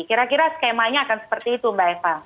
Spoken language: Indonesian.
kira kira skemanya akan seperti itu mbak eva